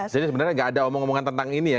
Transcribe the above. jadi sebenarnya tidak ada omong omongan tentang ini ya